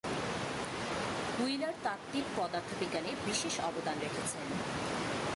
Wheeler তাত্ত্বিক পদার্থবিজ্ঞানে বিশেষ অবদান রেখেছেন।